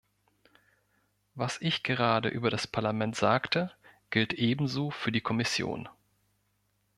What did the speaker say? Was ich gerade über das Parlament sagte, gilt ebenso für die Kommission.